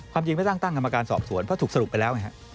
ความจริงไม่ตั้งนาฬิการสอบสวนเพราะถูกสรุปไปแล้ว